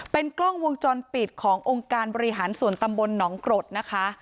เป็นกล้องวงจรปิดขององค์การบริหารส่วนตำบลหนองกรดนะคะ